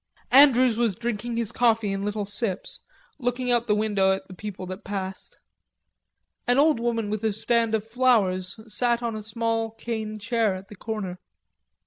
Andrews was drinking his coffee in little sips, looking out of the window at the people that passed. An old woman with a stand of flowers sat on a small cane chair at the corner.